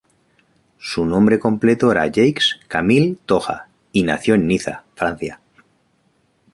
Su nombre completo era Jacques-Camille Toja, y nació en Niza, Francia.